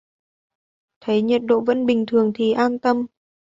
Thấy nhiệt độ vẫn bình thường thì an Tâm